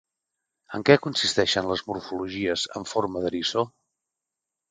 En què consisteixen les morfologies en forma d'eriçó?